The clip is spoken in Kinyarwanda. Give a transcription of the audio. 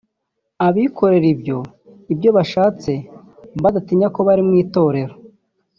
bikorera ibyo ibyo bashatse badatinya ko bari mu Itorero